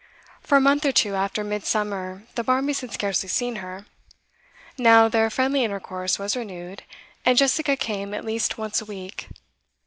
For a month or two after Midsummer the Barmbys had scarcely seen her; now their friendly intercourse was renewed, and Jessica came at least once a week.